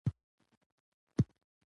چي د دوي په ګډه د پلار څخه باغ